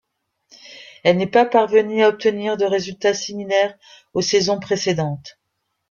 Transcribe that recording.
Elle n'est pas parvenue à obtenir de résultats similaires aux saisons précédentes.